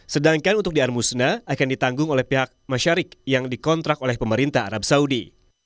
sedangkan untuk di armusna akan ditanggung oleh pihak masyarik yang dikontrak oleh pemerintah arab saudi